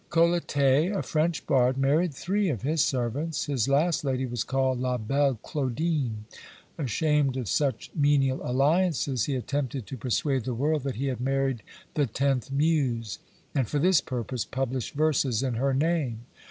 Colletet, a French bard, married three of his servants. His last lady was called la belle Claudine. Ashamed of such menial alliances, he attempted to persuade the world that he had married the tenth muse; and for this purpose published verses in her name.